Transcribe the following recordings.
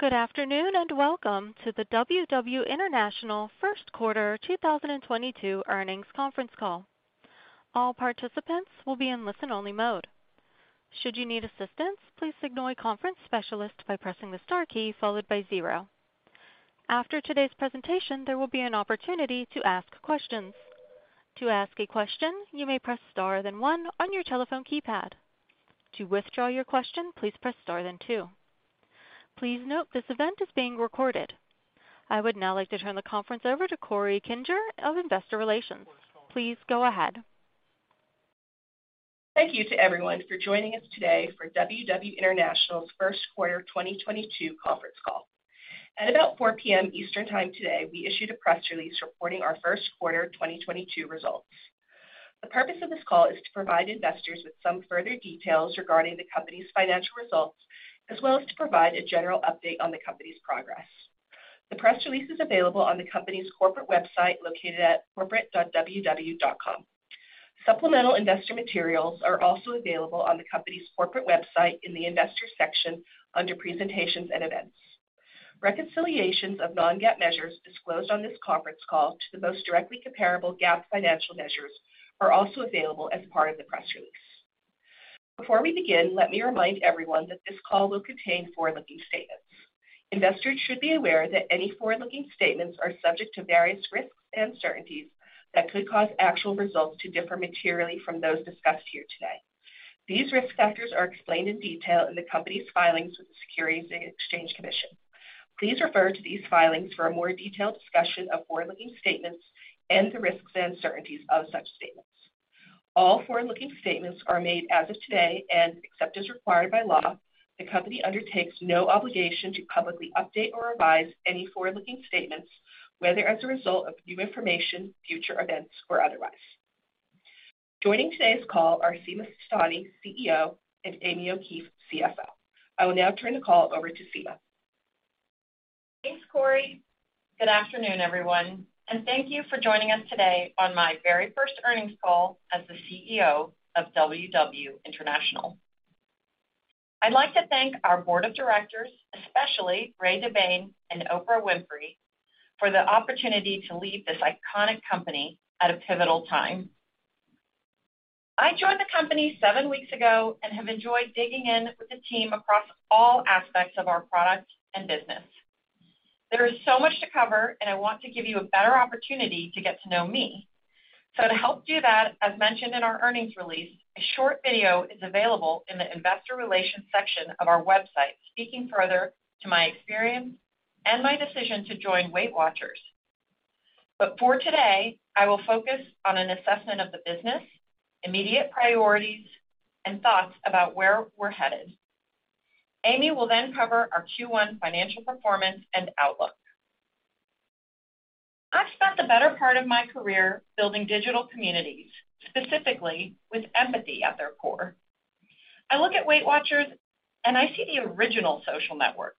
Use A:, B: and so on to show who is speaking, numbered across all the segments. A: Good afternoon, and welcome to the WW International First Quarter 2022 earnings conference call. All participants will be in listen-only mode. Should you need assistance, please signal a conference specialist by pressing the star key followed by zero. After today's presentation, there will be an opportunity to ask questions. To Ask a question, you may press star then one on your telephone keypad. To withdraw your question, please press star then two. Please note this event is being recorded. I would now like to turn the conference over to Corey Kinger of Investor Relations. Please go ahead.
B: Thank you to everyone for joining us today for WW International's first quarter 2022 conference call. At about 4:00 P.M. Eastern Time today, we issued a press release reporting our first quarter 2022 results. The purpose of this call is to provide investors with some further details regarding the company's financial results, as well as to provide a general update on the company's progress. The press release is available on the company's corporate website, located at corporate.ww.com. Supplemental investor materials are also available on the company's corporate website in the Investors section under Presentations and Events. Reconciliations of non-GAAP measures disclosed on this conference call to the most directly comparable GAAP financial measures are also available as part of the press release. Before we begin, let me remind everyone that this call will contain forward-looking statements. Investors should be aware that any forward-looking statements are subject to various risks and uncertainties that could cause actual results to differ materially from those discussed here today. These risk factors are explained in detail in the company's filings with the Securities and Exchange Commission. Please refer to these filings for a more detailed discussion of forward-looking statements and the risks and uncertainties of such statements. All forward-looking statements are made as of today, and except as required by law, the company undertakes no obligation to publicly update or revise any forward-looking statements, whether as a result of new information, future events, or otherwise. Joining today's call are Sima Sistani, CEO, and Amy O'Keefe, CFO. I will now turn the call over to Sima.
C: Thanks, Corey. Good afternoon, everyone, and thank you for joining us today on my very first earnings call as the CEO of WW International. I'd like to thank our board of directors, especially Ray Debbane and Oprah Winfrey, for the opportunity to lead this iconic company at a pivotal time. I joined the company seven weeks ago and have enjoyed digging in with the team across all aspects of our product and business. There is so much to cover, and I want to give you a better opportunity to get to know me. To help do that, as mentioned in our earnings release, a short video is available in the Investor Relations section of our website, speaking further to my experience and my decision to join Weight Watchers. But for today, I will focus on an assessment of the business, immediate priorities, and thoughts about where we're headed. Amy will then cover our Q1 financial performance and outlook. I've spent the better part of my career building digital communities, specifically with empathy at their core. I look at Weight Watchers and I see the original social network.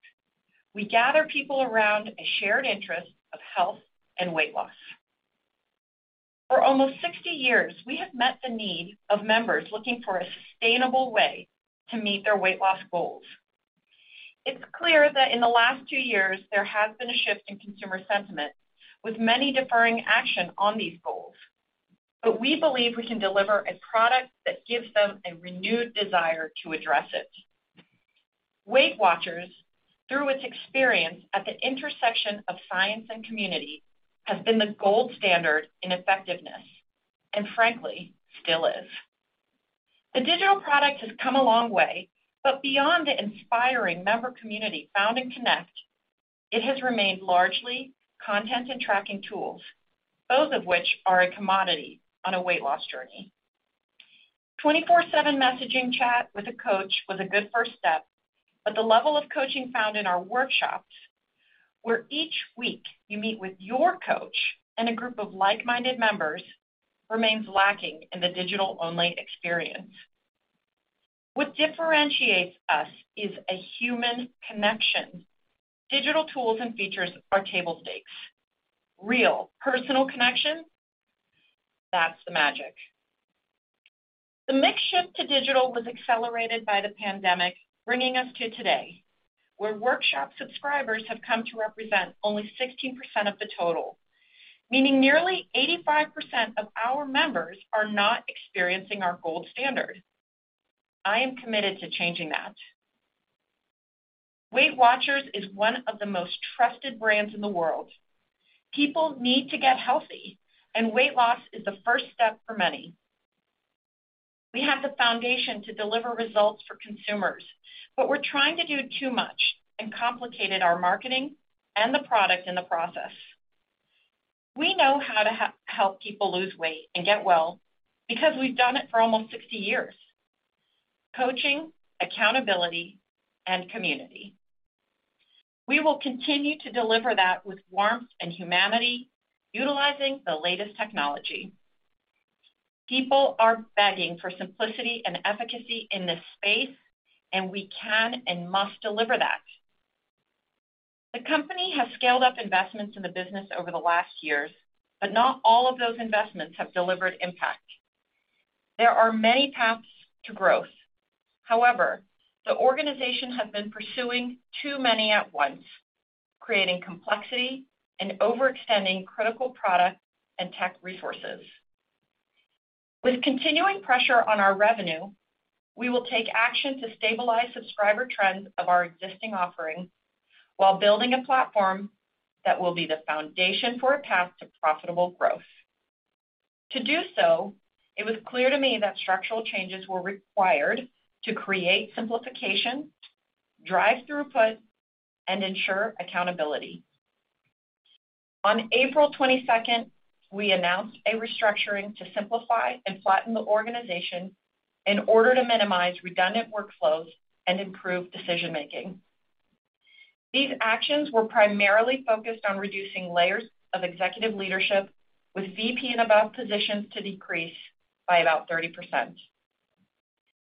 C: We gather people around a shared interest of health and weight loss. For almost 60 years, we have met the need of members looking for a sustainable way to meet their weight loss goals. It's clear that in the last two years, there has been a shift in consumer sentiment, with many deferring action on these goals. But we believe we can deliver a product that gives them a renewed desire to address it. Weight Watchers, through its experience at the intersection of science and community, has been the gold standard in effectiveness, and frankly, still is. The digital product has come a long way, but beyond the inspiring member community found in Connect, it has remained largely content and tracking tools, both of which are a commodity on a weight loss journey. 24/7 messaging chat with a coach was a good first step, but the level of coaching found in our workshops, where each week you meet with your coach and a group of like-minded members, remains lacking in the digital-only experience. What differentiates us is a human connection. Digital tools and features are table stakes. Real personal connection, that's the magic. The mixed shift to digital was accelerated by the pandemic, bringing us to today, where workshop subscribers have come to represent only 16% of the total, meaning nearly 85% of our members are not experiencing our gold standard. I am committed to changing that. Weight Watchers is one of the most trusted brands in the world. People need to get healthy and weight loss is the first step for many. We have the foundation to deliver results for consumers, but we're trying to do too much and complicated our marketing and the product in the process. We know how to help people lose weight and get well because we've done it for almost 60 years. Coaching, accountability, and community. We will continue to deliver that with warmth and humanity, utilizing the latest technology. People are begging for simplicity and efficacy in this space, and we can and must deliver that. The company has scaled up investments in the business over the last years, but not all of those investments have delivered impact. There are many paths to growth. However, the organization has been pursuing too many at once, creating complexity and overextending critical product and tech resources. With continuing pressure on our revenue, we will take action to stabilize subscriber trends of our existing offerings while building a platform that will be the foundation for a path to profitable growth. To do so, it was clear to me that structural changes were required to create simplification, drive throughput, and ensure accountability. On April 22nd, we announced a restructuring to simplify and flatten the organization in order to minimize redundant workflows and improve decision-making. These actions were primarily focused on reducing layers of executive leadership with VP and above positions to decrease by about 30%.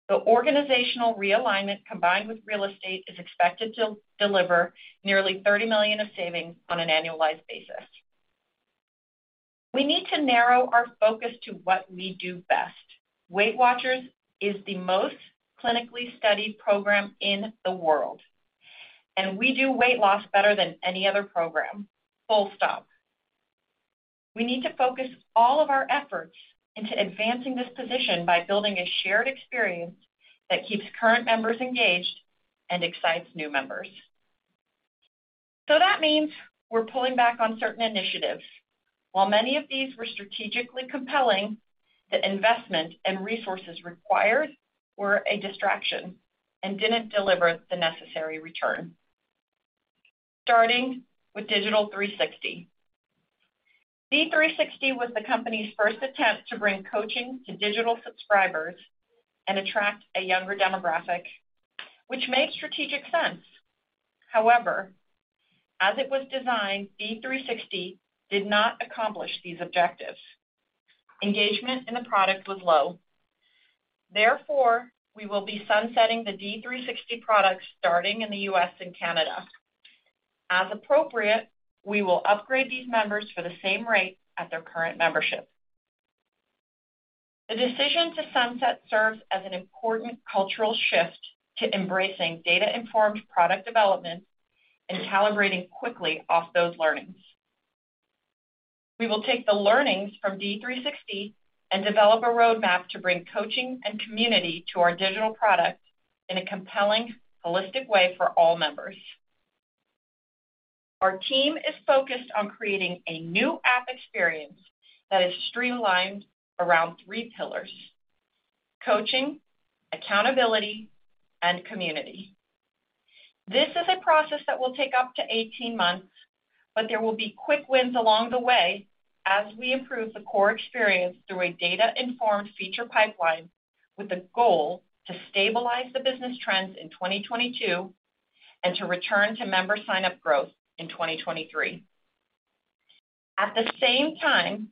C: The organizational realignment, combined with real estate, is expected to deliver nearly $30 million of savings on an annualized basis. We need to narrow our focus to what we do best. Weight Watchers is the most clinically studied program in the world, and we do weight loss better than any other program, full stop. We need to focus all of our efforts into advancing this position by building a shared experience that keeps current members engaged and excites new members. So that means we're pulling back on certain initiatives. While many of these were strategically compelling, the investment and resources required were a distraction and didn't deliver the necessary return. Starting with Digital 360, D360 was the company's first attempt to bring coaching to digital subscribers and attract a younger demographic, which made strategic sense. However, as it was designed, D360 did not accomplish these objectives. Engagement in the product was low. Therefore, we will be sunsetting the D360 product starting in the U.S. and Canada. As appropriate, we will upgrade these members for the same rate as their current membership. The decision to sunset serves as an important cultural shift to embracing data-informed product development and calibrating quickly off those learnings. We will take the learnings from D360 and develop a roadmap to bring coaching and community to our digital product in a compelling, holistic way for all members. Our team is focused on creating a new app experience that is streamlined around three pillars, coaching, accountability, and community. This is a process that will take up to 18 months, but there will be quick wins along the way as we improve the core experience through a data-informed feature pipeline with the goal to stabilize the business trends in 2022 and to return to member sign-up growth in 2023. At the same time,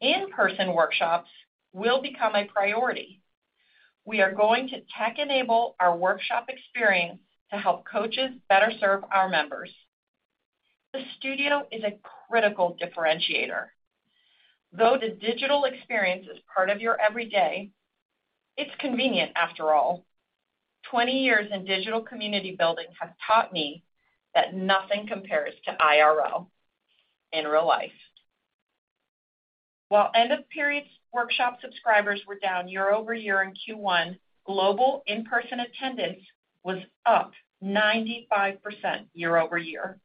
C: in-person workshops will become a priority. We are going to tech enable our workshop experience to help coaches better serve our members. The Studio is a critical differentiator, though the digital experience is part of your every day, it's convenient after all. 20 years in digital community building has taught me that nothing compares to IRL, in real life. While end-of-period workshop subscribers were down year-over-year in Q1, global in-person attendance was up 95% year-over-year,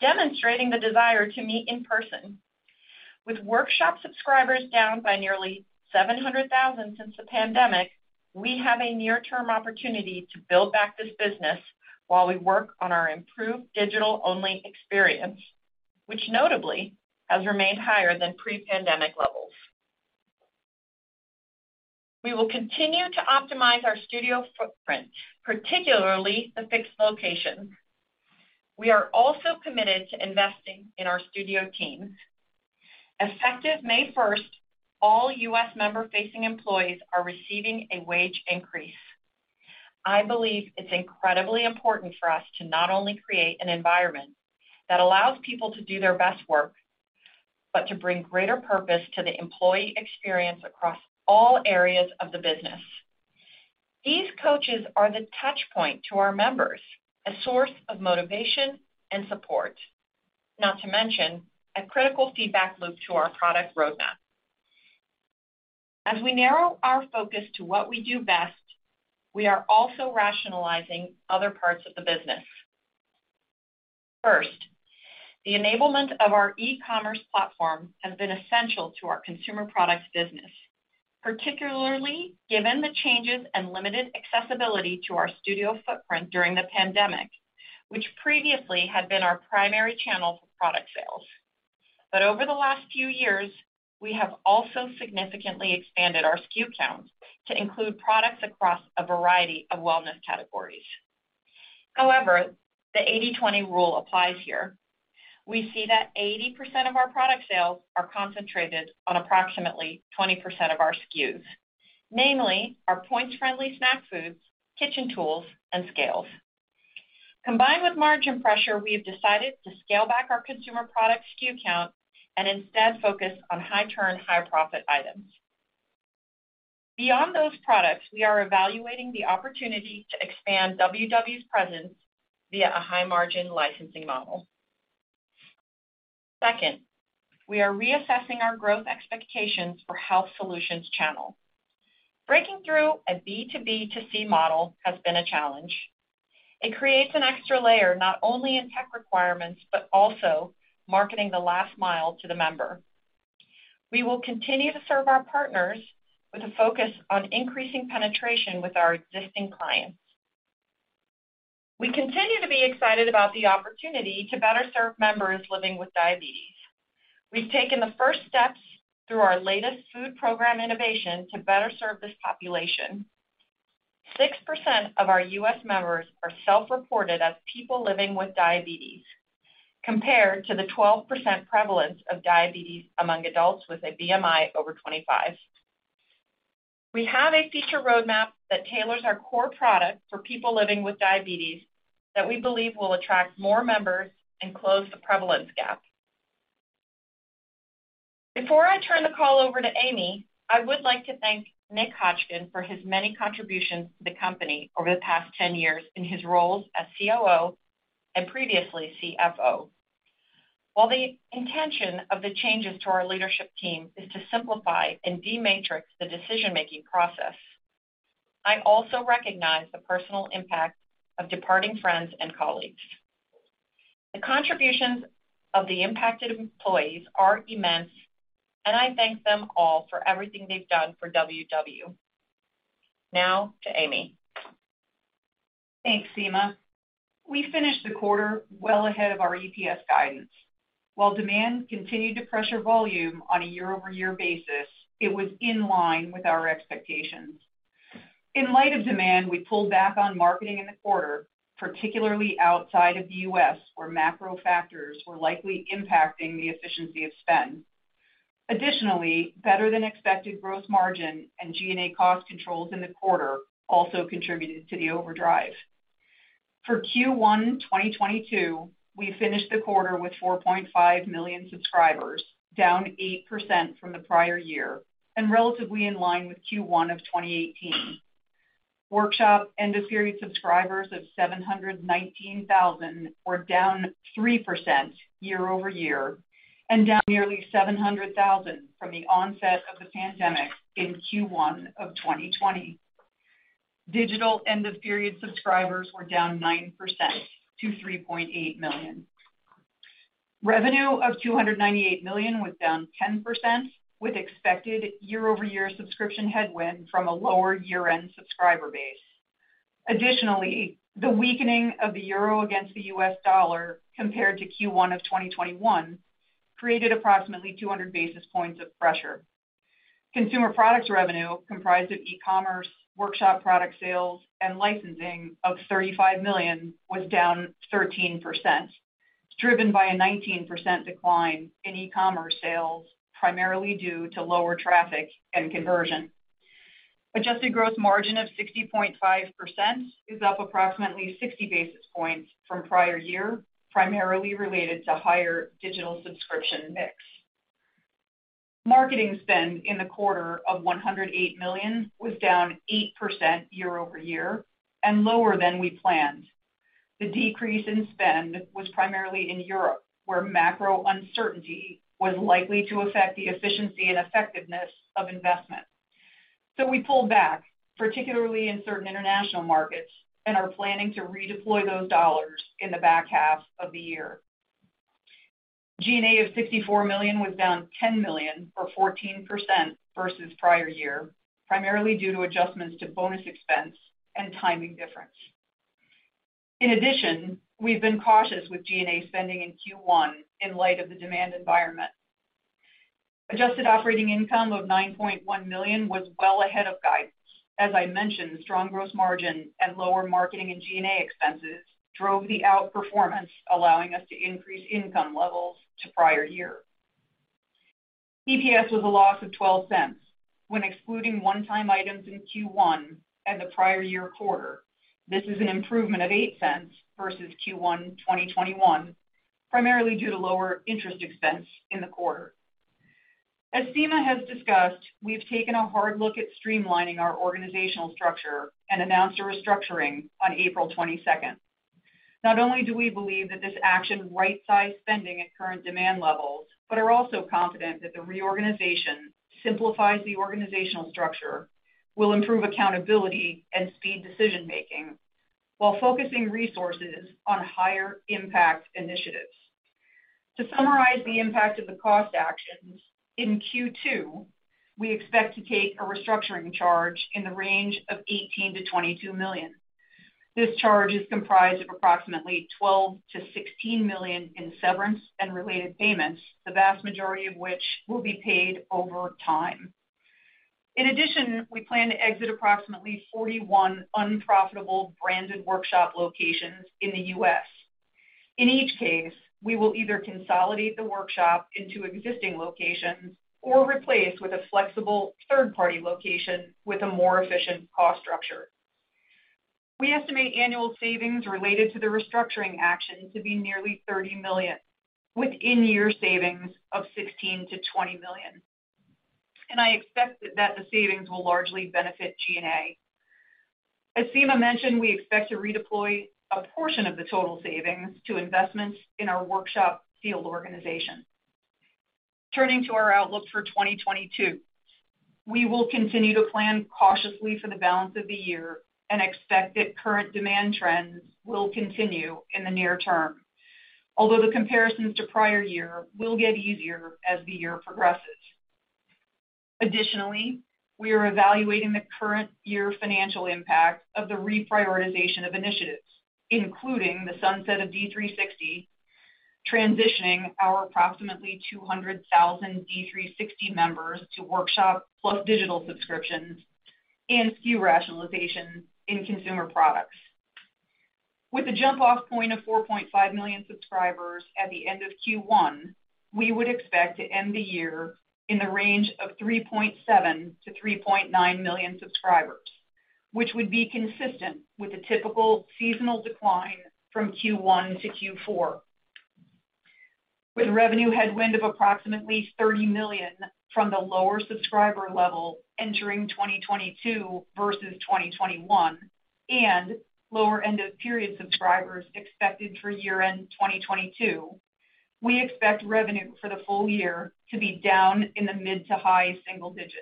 C: demonstrating the desire to meet in person. With workshop subscribers down by nearly 700,000 since the pandemic, we have a near-term opportunity to build back this business while we work on our improved digital-only experience, which notably has remained higher than pre-pandemic levels. We will continue to optimize our Studio footprint, particularly the fixed locations. We are also committed to investing in our Studio team. Effective May 1st, all U.S. member-facing employees are receiving a wage increase. I believe it's incredibly important for us to not only create an environment that allows people to do their best work, but to bring greater purpose to the employee experience across all areas of the business. These coaches are the touch point to our members, a source of motivation and support. Not to mention, a critical feedback loop to our product roadmap. As we narrow our focus to what we do best, we are also rationalizing other parts of the business. First, the enablement of our e-commerce platform has been essential to our consumer products business, particularly given the changes and limited accessibility to our Studio footprint during the pandemic, which previously had been our primary channel for product sales. Over the last few years, we have also significantly expanded our SKU count to include products across a variety of wellness categories. However, the 80/20 rule applies here. We see that 80% of our product sales are concentrated on approximately 20% of our SKUs, namely our Points-friendly snack foods, kitchen tools, and scales. Combined with margin pressure, we have decided to scale back our consumer product SKU count and instead focus on high turn, high profit items. Beyond those products, we are evaluating the opportunity to expand WW's presence via a high-margin licensing model. Second, we are reassessing our growth expectations for Health Solutions channel. Breaking through a B2B2C model has been a challenge, it creates an extra layer, not only in tech requirements, but also marketing the last mile to the member. We will continue to serve our partners with a focus on increasing penetration with our existing clients. We continue to be excited about the opportunity to better serve members living with diabetes. We've taken the first steps through our latest food program innovation to better serve this population. 6% of our U.S. members are self-reported as people living with diabetes, compared to the 12% prevalence of diabetes among adults with a BMI over 25. We have a feature roadmap that tailors our core product for people living with diabetes that we believe will attract more members and close the prevalence gap. Before I turn the call over to Amy, I would like to thank Nick Hotchkin for his many contributions to the company over the past 10 years in his roles as COO and previously CFO. While the intention of the changes to our leadership team is to simplify and de-matrix the decision-making process, I also recognize the personal impact of departing friends and colleagues. The contributions of the impacted employees are immense, and I thank them all for everything they've done for WW. Now to Amy.
D: Thanks, Sima. We finished the quarter well ahead of our EPS guidance. While demand continued to pressure volume on a year-over-year basis, it was in line with our expectations. In light of demand, we pulled back on marketing in the quarter, particularly outside of the U.S., where macro factors were likely impacting the efficiency of spend. Additionally, better-than-expected gross margin and G&A cost controls in the quarter also contributed to the overdrive. For Q1 2022, we finished the quarter with 4.5 million subscribers, down 8% from the prior year and relatively in line with Q1 of 2018. Workshop end-of-period subscribers of 719,000 were down 3% year over year and down nearly 700,000 from the onset of the pandemic in Q1 of 2020. Digital end-of-period subscribers were down 9% to 3.8 million. Revenue of $298 million was down 10%, with expected year-over-year subscription headwind from a lower year-end subscriber base. Additionally, the weakening of the euro against the US dollar compared to Q1 of 2021 created approximately 200 basis points of pressure. Consumer products revenue comprised of e-commerce, workshop product sales, and licensing of $35 million was down 13%. Driven by a 19% decline in e-commerce sales, primarily due to lower traffic and conversion. Adjusted gross margin of 60.5% is up approximately 60 basis points from prior year, primarily related to higher digital subscription mix. Marketing spend in the quarter of $108 million was down 8% year-over-year and lower than we planned. The decrease in spend was primarily in Europe, where macro uncertainty was likely to affect the efficiency and effectiveness of investment. So we pulled back, particularly in certain international markets, and are planning to redeploy those dollars in the back half of the year. G&A of $64 million was down $10 million or 14% versus prior year, primarily due to adjustments to bonus expense and timing difference. In addition, we've been cautious with G&A spending in Q1 in light of the demand environment. Adjusted operating income of $9.1 million was well ahead of guidance. As I mentioned, strong gross margin and lower marketing and G&A expenses drove the outperformance, allowing us to increase income levels to prior year. EPS was a loss of $0.12 when excluding one-time items in Q1 and the prior year quarter. This is an improvement of $0.08 versus Q1 2021, primarily due to lower interest expense in the quarter. As Sima has discussed, we have taken a hard look at streamlining our organizational structure and announced a restructuring on April 22nd. Not only do we believe that this action right-size spending at current demand levels, but we are also confident that the reorganization simplifies the organizational structure, will improve accountability and speed decision-making while focusing resources on higher impact initiatives. To summarize the impact of the cost actions, in Q2, we expect to take a restructuring charge in the range of $18-$22 million. This charge is comprised of approximately $12-$16 million in severance and related payments, the vast majority of which will be paid over time. In addition, we plan to exit approximately 41 unprofitable branded workshop locations in the U.S. In each case, we will either consolidate the workshop into existing locations or replace with a flexible third-party location with a more efficient cost structure. We estimate annual savings related to the restructuring action to be nearly $30 million with in-year savings of $16-$20 million. And I expect that the savings will largely benefit G&A. As Sima mentioned, we expect to redeploy a portion of the total savings to investments in our workshop field organization. Turning to our outlook for 2022. We will continue to plan cautiously for the balance of the year and expect that current demand trends will continue in the near term. Although the comparisons to prior year will get easier as the year progresses. Additionally, we are evaluating the current year financial impact of the reprioritization of initiatives, including the sunset of D360, transitioning our approximately 200,000 D360 members to workshop, plus digital subscriptions and SKU rationalization in consumer products. With a jump-off point of 4.5 million subscribers at the end of Q1, we would expect to end the year in the range of 3.7-3.9 million subscribers, which would be consistent with the typical seasonal decline from Q1 to Q4. With revenue headwind of approximately $30 million from the lower subscriber level entering 2022 versus 2021 and lower end of period subscribers expected for year-end 2022, we expect revenue for the full year to be down in the mid-to-high single digits.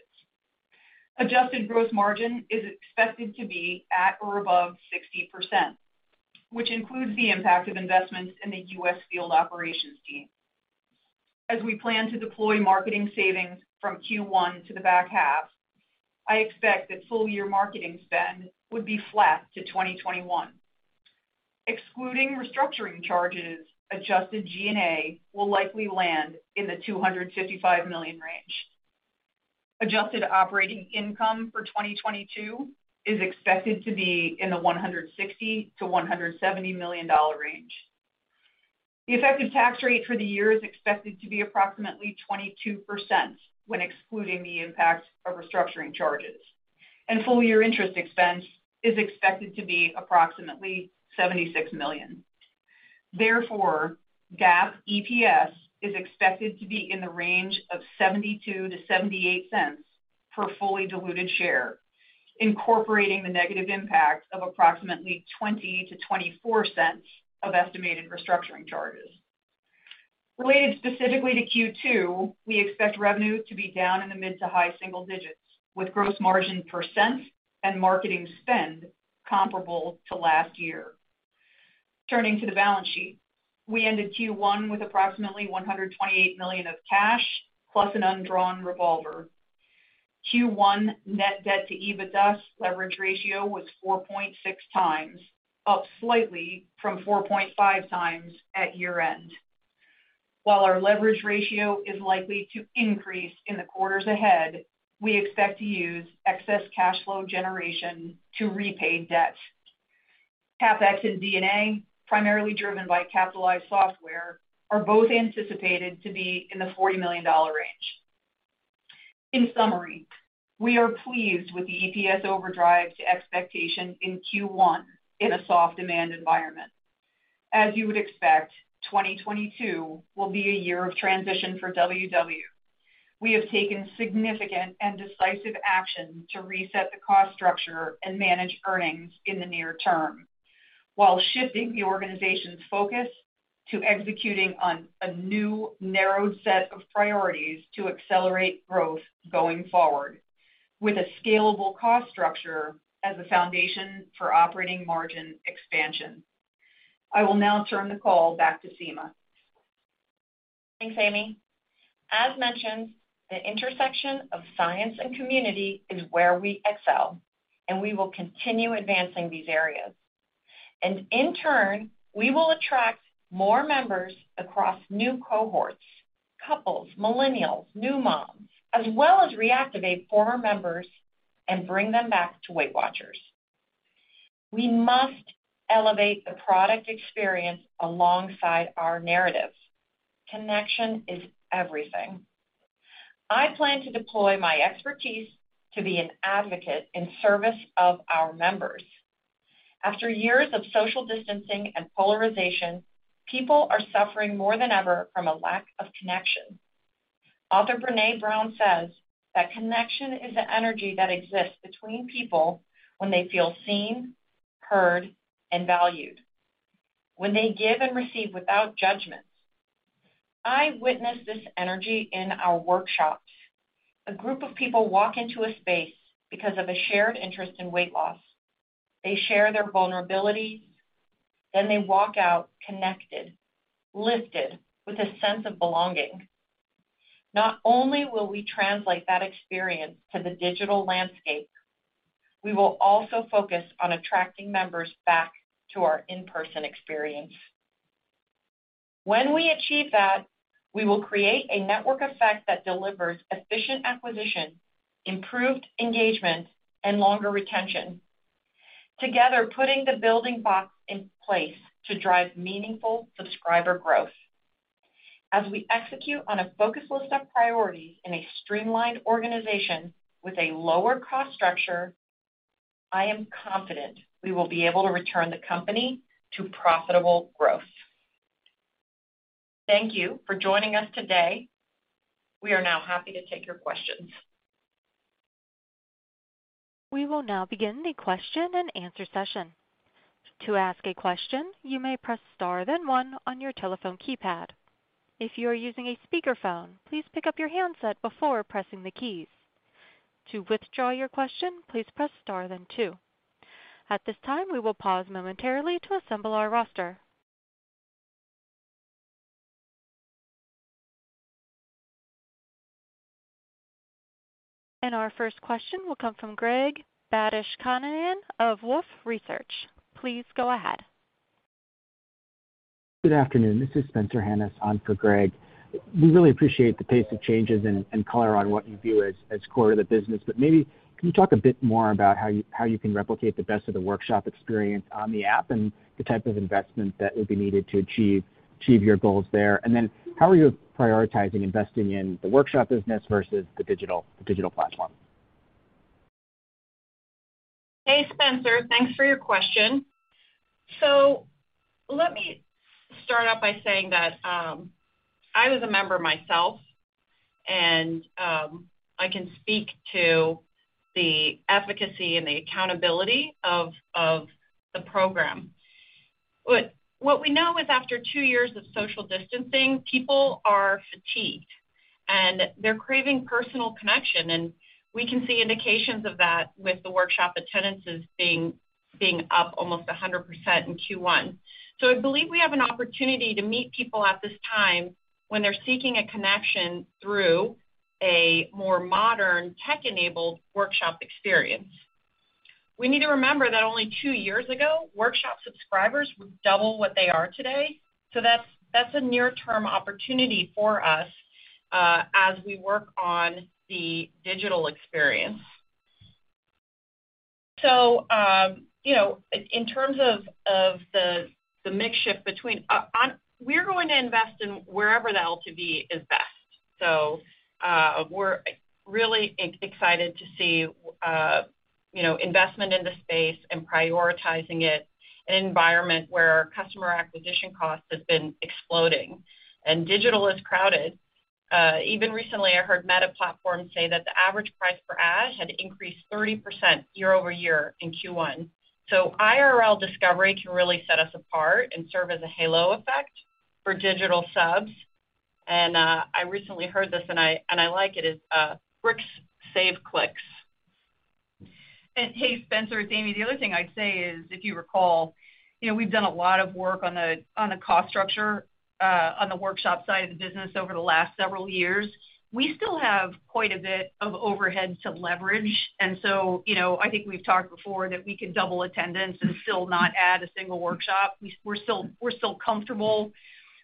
D: Adjusted gross margin is expected to be at or above 60%, which includes the impact of investments in the U.S. field operations team. As we plan to deploy marketing savings from Q1 to the back half, I expect that full-year marketing spend would be flat to 2021. Excluding restructuring charges, adjusted G&A will likely land in the $255 million range. Adjusted operating income for 2022 is expected to be in the $160-$170 million range. The effective tax rate for the year is expected to be approximately 22% when excluding the impact of restructuring charges, and full-year interest expense is expected to be approximately $76 million. Therefore, GAAP EPS is expected to be in the range of $0.72-$0.78 per fully diluted share, incorporating the negative impact of approximately $0.20-$0.24 of estimated restructuring charges. Related specifically to Q2, we expect revenue to be down in the mid-to-high single digits, with gross margin % and marketing spend comparable to last year. Turning to the balance sheet. We ended Q1 with approximately $128 million of cash plus an undrawn revolver. Q1 net debt to EBITDA leverage ratio was 4.6x, up slightly from 4.5x at year-end. While our leverage ratio is likely to increase in the quarters ahead, we expect to use excess cash flow generation to repay debt. CapEx and D&A, primarily driven by capitalized software, are both anticipated to be in the $40 million range. In summary, we are pleased with the EPS overdrive to expectation in Q1 in a soft demand environment. As you would expect, 2022 will be a year of transition for WW. We have taken significant and decisive action to reset the cost structure and manage earnings in the near term, while shifting the organization's focus to executing on a new narrowed set of priorities to accelerate growth going forward with a scalable cost structure as a foundation for operating margin expansion. I will now turn the call back to Sima.
C: Thanks, Amy. As mentioned, the intersection of science and community is where we excel, and we will continue advancing these areas. In turn, we will attract more members across new cohorts, couples, millennials, new moms, as well as reactivate former members and bring them back to Weight Watchers. We must elevate the product experience alongside our narrative. Connection is everything. I plan to deploy my expertise to be an advocate in service of our members. After years of social distancing and polarization, people are suffering more than ever from a lack of connection. Author Brené Brown says that connection is the energy that exists between people when they feel seen, heard, and valued, when they give and receive without judgment. I witness this energy in our workshops. A group of people walk into a space because of a shared interest in weight loss. They share their vulnerabilities, then they walk out connected, lifted, with a sense of belonging. Not only will we translate that experience to the digital landscape, we will also focus on attracting members back to our in-person experience. When we achieve that, we will create a network effect that delivers efficient acquisition, improved engagement, and longer retention. Together, putting the building blocks in place to drive meaningful subscriber growth. As we execute on a focus list of priorities in a streamlined organization with a lower cost structure, I am confident we will be able to return the company to profitable growth. Thank you for joining us today. We are now happy to take your questions.
A: We will now begin the question-and-answer session. To ask a question, you may press star then one on your telephone keypad. If you are using a speakerphone, please pick up your handset before pressing the keys. To withdraw your question, please press star then two. At this time, we will pause momentarily to assemble our roster. Our first question will come from Greg Badishkanian of Wolfe Research. Please go ahead.
E: Good afternoon. This is Spencer Hanus on for Greg. We really appreciate the pace of changes and color on what you view as core to the business. But maybe can you talk a bit more about how you can replicate the best of the workshop experience on the app and the type of investment that will be needed to achieve your goals there? And then how are you prioritizing investing in the workshop business versus the digital platform?
C: Hey, Spencer. Thanks for your question. So let me start out by saying that, I was a member myself, and, I can speak to the efficacy and the accountability of the program. What we know is after two years of social distancing, people are fatigued, and they're craving personal connection, and we can see indications of that with the workshop attendances being up almost 100% in Q1. So I believe we have an opportunity to meet people at this time when they're seeking a connection through a more modern tech-enabled workshop experience. We need to remember that only two years ago, workshop subscribers were double what they are today. So that's a near-term opportunity for us, as we work on the digital experience. We're going to invest in wherever the LTV is best. We're really excited to see you know, investment in the space and prioritizing it in an environment where customer acquisition costs have been exploding and digital is crowded. Even recently, I heard Meta Platforms say that the average price per ad had increased 30% year-over-year in Q1. So IRL discovery can really set us apart and serve as a halo effect for digital subs. I recently heard this, and I like it. Bricks save clicks.
D: Hey, Spencer, it's Amy. The other thing I'd say is, if you recall, you know, we've done a lot of work on the cost structure on the workshop side of the business over the last several years. We still have quite a bit of overhead to leverage. You know, I think we've talked before that we could double attendance and still not add a single workshop. We're still comfortable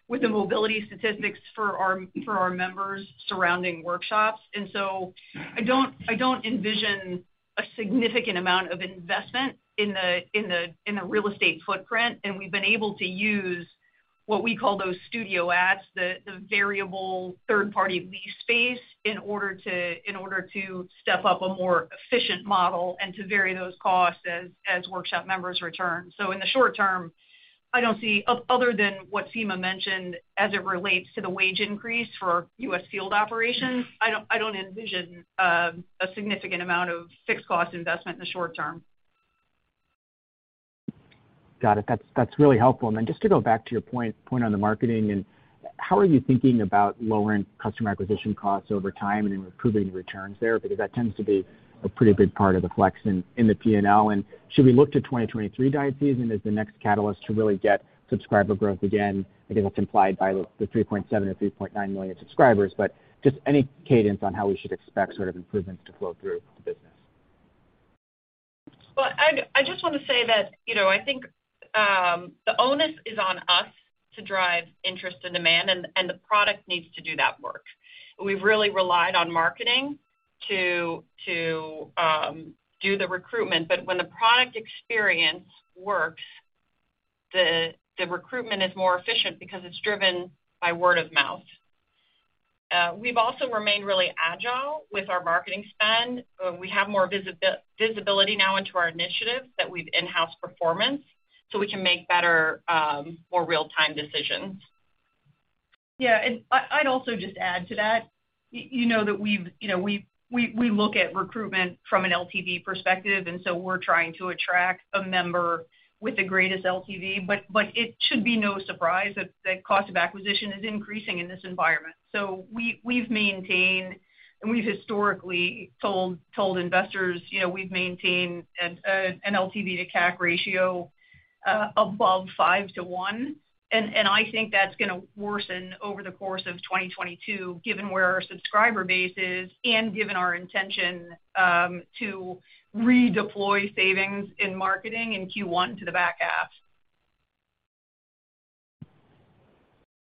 D: with the mobility statistics for our members surrounding workshops. I don't envision a significant amount of investment in the real estate footprint. And we've been able to use what we call those Studio adds, the variable third-party lease space in order to step up a more efficient model and to vary those costs as workshop members return. So in the short term, other than what Sima mentioned as it relates to the wage increase for U.S. field operations, I don't envision a significant amount of fixed cost investment in the short term.
E: Got it. That's really helpful. Then just to go back to your point on the marketing and how are you thinking about lowering customer acquisition costs over time and improving the returns there? Because that tends to be a pretty big part of the flex in the P&L. And should we look to 2023 diet season as the next catalyst to really get subscriber growth again? I think that's implied by the 3.7 or 3.9 million subscribers. Just any cadence on how we should expect sort of improvements to flow through the business?
C: I just want to say that, you know, I think, the onus is on us to drive interest and demand, and the product needs to do that work. We've really relied on marketing to do the recruitment. When the product experience works, the recruitment is more efficient because it's driven by word of mouth. We've also remained really agile with our marketing spend. We have more visibility now into our initiatives that we've in-house performance, so we can make better, more real-time decisions.
D: Yeah. I'd also just add to that, you know, that we look at recruitment from an LTV perspective, and so we're trying to attract a member with the greatest LTV. But it should be no surprise that the cost of acquisition is increasing in this environment. So we've maintained, and we've historically told investors, you know, we've maintained an LTV-to-CAC ratio above five to one. And I think that's gonna worsen over the course of 2022, given where our subscriber base is and given our intention to redeploy savings in marketing in Q1 to the back half.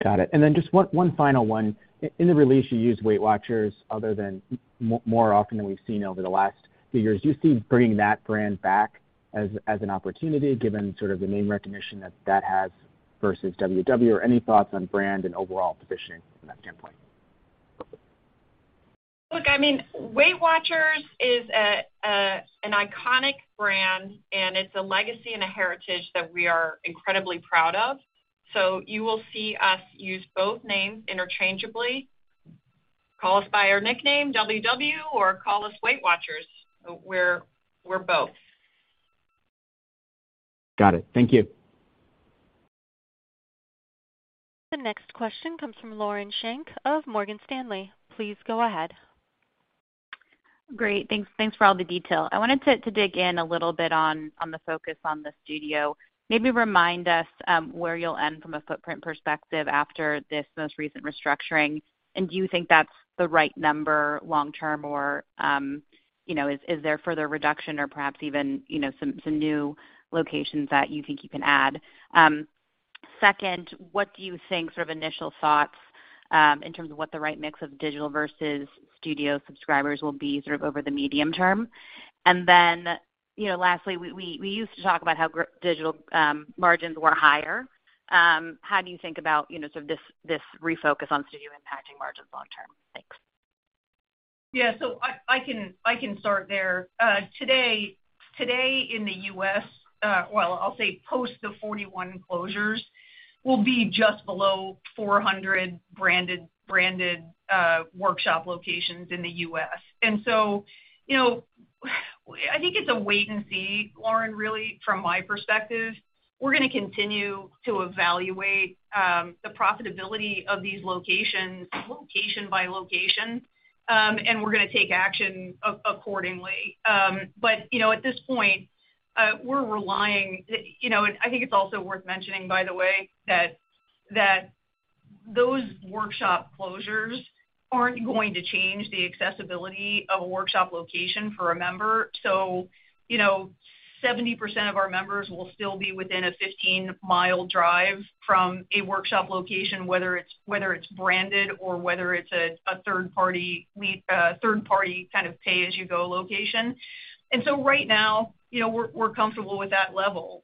E: Got it. Just one final one. In the release, you used Weight Watchers more often than we've seen over the last few years. Do you see bringing that brand back as an opportunity given sort of the name recognition that that has versus WW? Or any thoughts on brand and overall positioning from that standpoint?
C: Look, I mean, Weight Watchers is an iconic brand, and it's a legacy and a heritage that we are incredibly proud of. So you will see us use both names interchangeably. Call us by our nickname, WW, or call us Weight Watchers. We're both.
E: Got it. Thank you.
A: The next question comes from Lauren Schenk of Morgan Stanley. Please go ahead.
F: Great. Thanks for all the detail. I wanted to dig in a little bit on the focus on the Studio. Maybe remind us where you'll end from a footprint perspective after this most recent restructuring. Do you think that's the right number long term or, you know, is there further reduction or perhaps even, you know, some new locations that you think you can add? Second, what do you think sort of initial thoughts in terms of what the right mix of Digital versus Studio subscribers will be sort of over the medium term? You know, lastly, we used to talk about how digital margins were higher. How do you think about, you know, sort of this refocus on studio impacting margins long term? Thanks.
D: Yeah. I can start there. Well, today in the U.S., post the 41 closures, there will be just below 400 branded workshop locations in the U.S.. And so, you know, I think it's a wait and see, Lauren, really, from my perspective, we're gonna continue to evaluate the profitability of these locations, location-by-location, and we're gonna take action accordingly. But, you know, at this point, we're relying. You know, I think it's also worth mentioning, by the way, that those workshop closures aren't going to change the accessibility of a workshop location for a member. So you know, 70% of our members will still be within a 15-mile drive from a workshop location, whether it's branded or a third-party kind of pay-as-you-go location. And so right now, you know, we're comfortable with that level,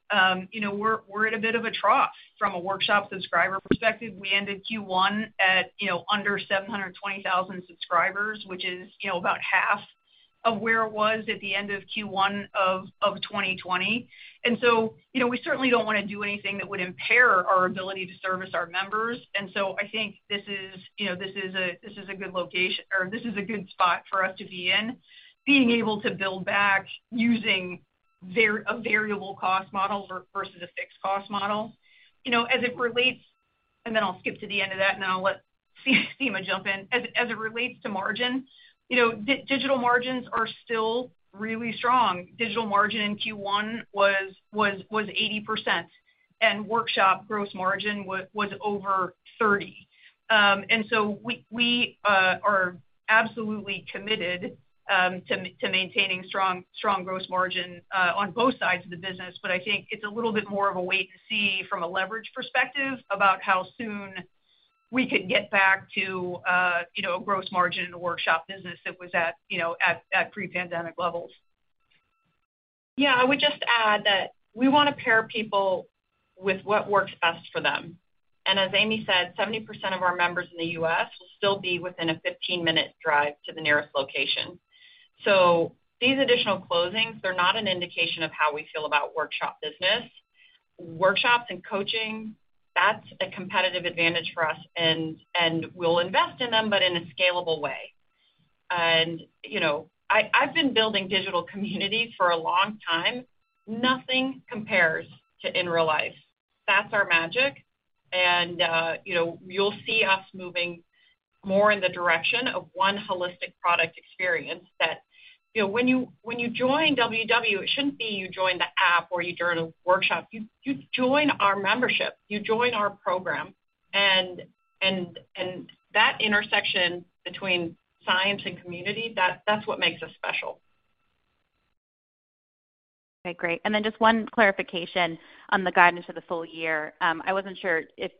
D: you know, we're at a bit of a trough from a workshop subscriber perspective. We ended Q1 at, you know, under 720,000 subscribers, which is, you know, about half of where it was at the end of Q1 of 2020. And so you know, we certainly don't wanna do anything that would impair our ability to service our members. I think this is a good spot for us to be in, being able to build back using a variable cost model versus a fixed cost model. You know as it relates, and then I'll skip to the end of that, and then I'll let Seema jump in. As it relates to margin, digital margins are still really strong. Digital margin in Q1 was 80%, and workshop gross margin was over 30%. We are absolutely committed to maintaining strong gross margin on both sides of the business. I think it's a little bit more of a wait and see from a leverage perspective about how soon we could get back to, you know, a gross margin in the workshop business that was at pre-pandemic levels.
C: Yeah, I would just add that we wanna pair people with what works best for them. As Amy said, 70% of our members in the U.S. will still be within a 15-minute drive to the nearest location. So these additional closings, they're not an indication of how we feel about workshop business. Workshops and coaching, that's a competitive advantage for us, and we'll invest in them, but in a scalable way. And you know, I've been building digital communities for a long time. Nothing compares to in real life, that's our magic. And you know, you'll see us moving more in the direction of one holistic product experience that when you join WW, it shouldn't be you join the app or you join a workshop. You join our membership, you join our program, that intersection between science and community, that's what makes us special.
F: Okay, great. Just one clarification on the guidance for the full year. I wasn't sure if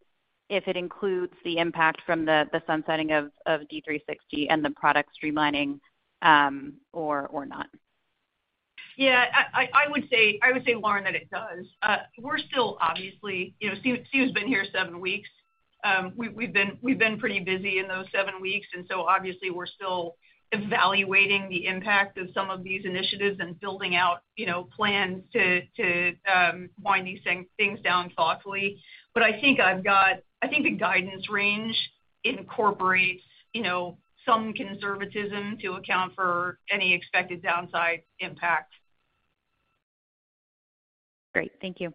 F: it includes the impact from the sunsetting of D360 and the product streamlining, or not?
D: Yeah. I would say, Lauren, that it does. We're still obviously, you know, Sima's been here seven weeks. We've been pretty busy in those seven weeks, and obviously we're still evaluating the impact of some of these initiatives and building out, you know, plans to wind these things down thoughtfully. But I think the guidance range incorporates, you know, some conservatism to account for any expected downside impact.
F: Great. Thank you.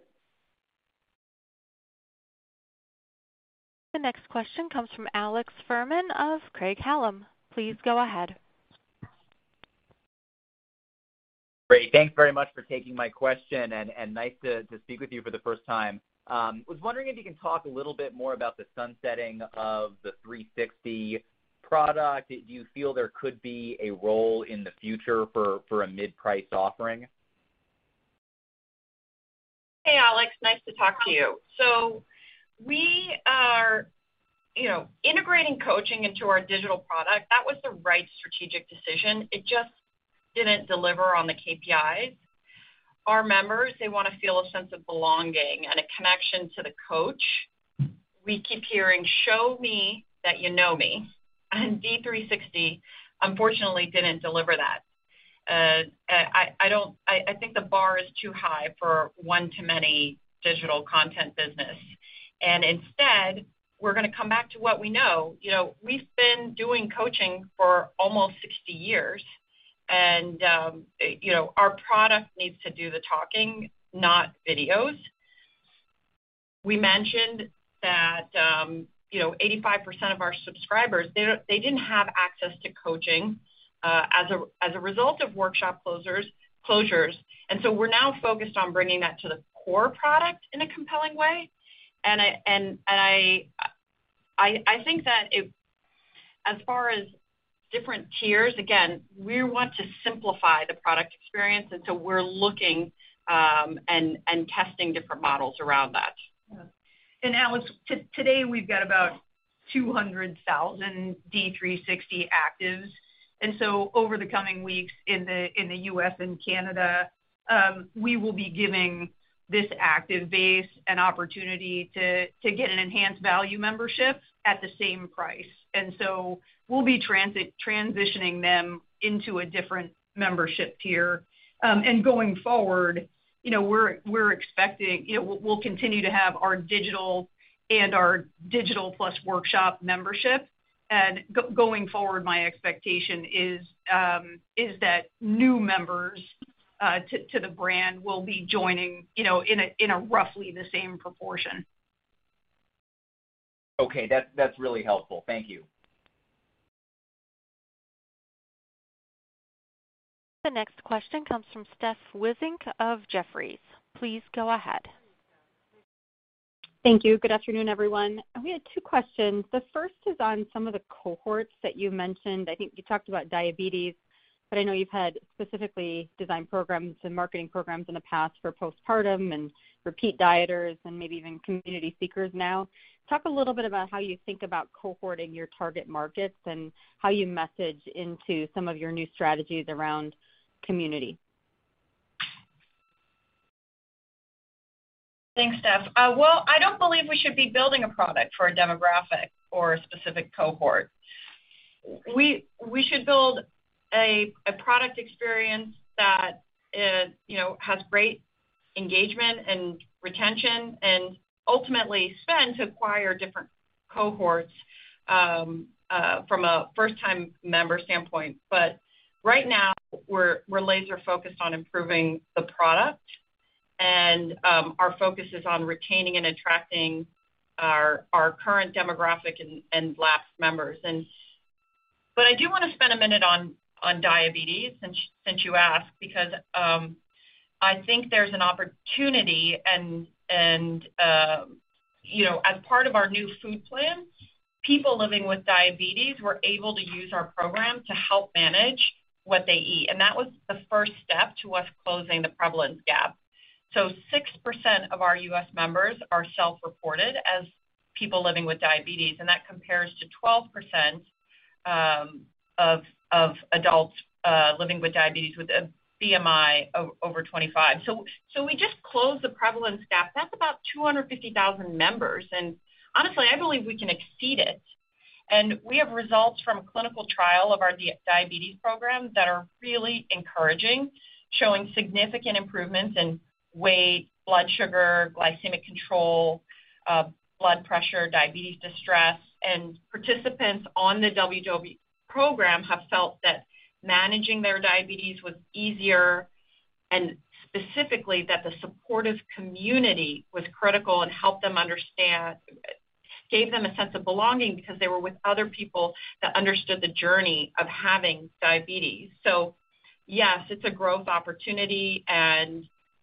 A: The next question comes from Alex Fuhrman of Craig-Hallum. Please go ahead.
G: Great. Thanks very much for taking my question, and nice to speak with you for the first time, was wondering if you can talk a little bit more about the sunsetting of the 360 product. Do you feel there could be a role in the future for a mid-price offering?
C: Hey, Alex. Nice to talk to you. So we are, you know, integrating coaching into our digital product. That was the right strategic decision. It just didn't deliver on the KPIs. Our members, they wanna feel a sense of belonging and a connection to the coach. We keep hearing, Show me that you know me, and D360, unfortunately, didn't deliver that. I think the bar is too high for one-to-many digital content business. And instead, we're gonna come back to what we know. You know, we've been doing coaching for almost 60 years, and you know, our product needs to do the talking, not videos. We mentioned that you know, 85% of our subscribers, they didn't have access to coaching as a result of workshop closures. And so we're now focused on bringing that to the core product in a compelling way. And I think that it, as far as different tiers, again, we want to simplify the product experience, and so we're looking and testing different models around that.
D: And Alex, today, we've got about 200,000 D360 actives. Over the coming weeks in the U.S. and Canada, we will be giving this active base an opportunity to get an enhanced value membership at the same price. And so we'll be transitioning them into a different membership tier, and going forward, you know, we're expecting, you know, we'll continue to have our digital and our digital plus workshop membership. And going forward, my expectation is that new members to the brand will be joining, you know, in a roughly the same proportion.
G: Okay. That's really helpful. Thank you.
A: The next question comes from Steph Wissink of Jefferies. Please go ahead.
H: Thank you. Good afternoon, everyone. We had two questions. The first is on some of the cohorts that you mentioned. I think you talked about diabetes, but I know you've had specifically designed programs and marketing programs in the past for postpartum and repeat dieters and maybe even community seekers now. Talk a little bit about how you think about cohorting your target markets and how you message into some of your new strategies around community.
C: Thanks, Steph. Well, I don't believe we should be building a product for a demographic or a specific cohort. We should build a product experience that, you know, has great engagement and retention and ultimately spend to acquire different cohorts from a first-time member standpoint. But right now, we're laser-focused on improving the product, and our focus is on retaining and attracting our current demographic and lapsed members. But I do wanna spend a minute on diabetes since you asked, because I think there's an opportunity and, you know, as part of our new food plan, people living with diabetes were able to use our program to help manage what they eat. And that was the first step towards closing the prevalence gap. So 6% of our U.S. members are self-reported as people living with diabetes, and that compares to 12% of adults living with diabetes with a BMI over 25. So we just closed the prevalence gap, that's about 250,000 members, and honestly, I believe we can exceed it. We have results from a clinical trial of our diabetes program that are really encouraging, showing significant improvements in weight, blood sugar, glycemic control, blood pressure, diabetes distress, and participants on the WW program have felt that managing their diabetes was easier, and specifically that the supportive community was critical and helped them understand, gave them a sense of belonging because they were with other people that understood the journey of having diabetes. So, yes, it's a growth opportunity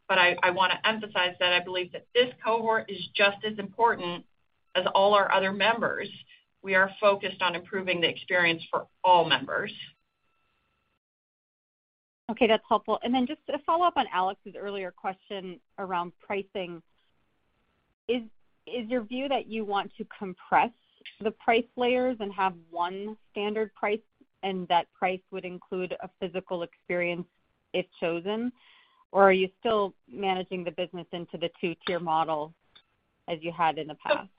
C: but I wanna emphasize that I believe that this cohort is just as important as all our other members. We are focused on improving the experience for all members.
H: Okay. That's helpful and just to follow up on Alex's earlier question around pricing. Is your view that you want to compress the price layers and have one standard price, and that price would include a physical experience if chosen? Or are you still managing the business into the two-tier model as you had in the past?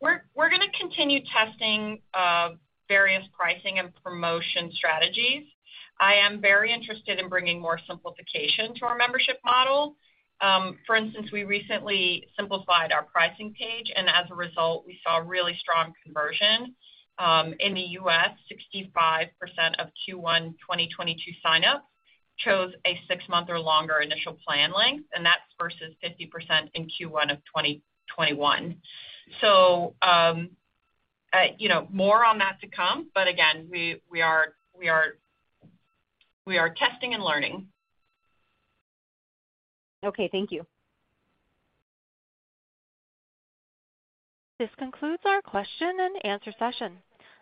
C: We're gonna continue testing various pricing and promotion strategies. I am very interested in bringing more simplification to our membership model. For instance, we recently simplified our pricing page, and as a result, we saw really strong conversion. In the U.S., 65% of Q1 2022 signups chose a six-month or longer initial plan length, and that's versus 50% in Q1 of 2021. So you know, more on that to come. But again, we are testing and learning.
H: Okay. Thank you.
A: This concludes our question-and-answer session.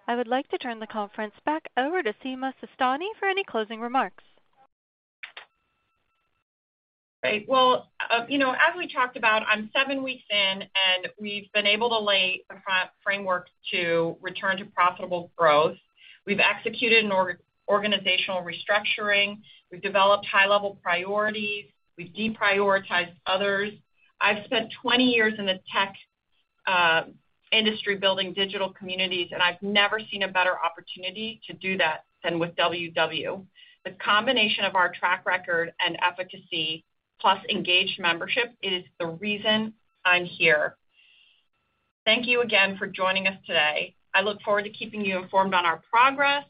A: I would like to turn the conference back over to Sima Sistani for any closing remarks.
C: Great. Well, you know, as we talked about, I'm seven weeks in, and we've been able to lay a framework to return to profitable growth. We've executed an organizational restructuring. We've developed high-level priorities. We've deprioritized others. I've spent 20 years in the tech industry building digital communities, and I've never seen a better opportunity to do that than with WW. The combination of our track record and efficacy plus engaged membership is the reason I'm here. Thank you again for joining us today. I look forward to keeping you informed on our progress.